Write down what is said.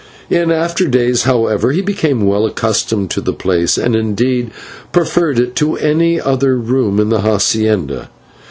In after days, however, he became well accustomed to the place, and, indeed, preferred it to any other room in the /hacienda